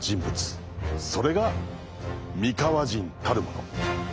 それが三河人たるもの。